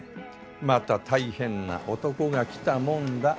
また大変な男が来たもんだ。